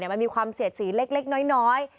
มันมีความเสียดสีเล็กน้อย